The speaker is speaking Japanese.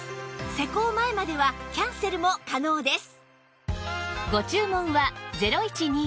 施工前まではキャンセルも可能です